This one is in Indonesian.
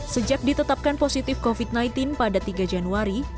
sejak ditetapkan positif covid sembilan belas pada tiga januari